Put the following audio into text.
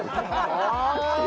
ああ！